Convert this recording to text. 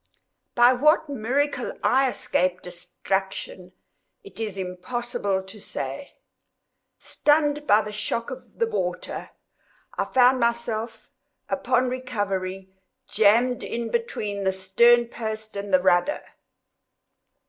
By what miracle I escaped destruction, it is impossible to say. Stunned by the shock of the water, I found myself, upon recovery, jammed in between the stern post and rudder.